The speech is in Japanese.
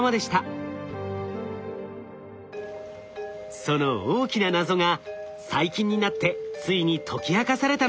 その大きな謎が最近になってついに解き明かされたのです。